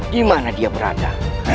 di mana dia berada